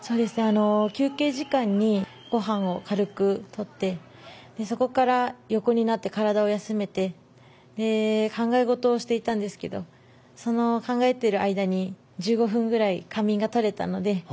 休憩時間にご飯を軽くとってそこから横になって体を休めて考え事をしていたんですけどその考えている間に１５分ぐらい仮眠が取れたので。